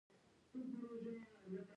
زه د نورو خبرو ته غوږ نیسم.